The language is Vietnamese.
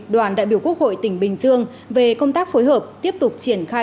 đoàn đại biểu quốc hội tỉnh bình dương về công tác phối hợp tiếp tục triển khai